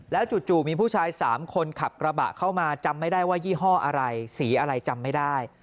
จู่มีผู้ชาย๓คนขับกระบะเข้ามาจำไม่ได้ว่ายี่ห้ออะไรสีอะไรจำไม่ได้